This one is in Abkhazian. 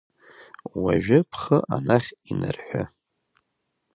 Уажәы бхы анахь инарҳәы…